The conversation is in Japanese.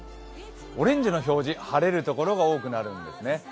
オレンジの表示、晴れるところが多くなるんですね。